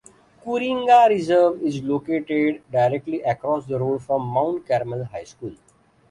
Kooringa Reserve is located directly across the road from Mount Carmel High School.